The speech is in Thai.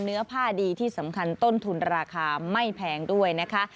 เนื้อผ้าดีที่สำคัญต้นทุนราคาไม่แพงด้วยนะคะ